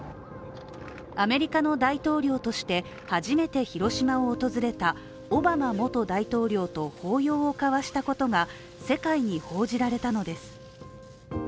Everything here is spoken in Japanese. アメリカの大統領として初めて広島を訪れたオバマ元大統領と抱擁を交わしたことが世界に報じられたのです。